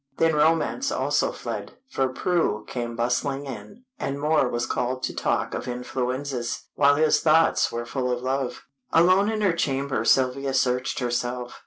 Then romance also fled, for Prue came bustling in, and Moor was called to talk of influenzas, while his thoughts were full of love. Alone in her chamber Sylvia searched herself.